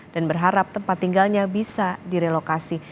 dan berharap tempat tinggalnya bisa direlokasi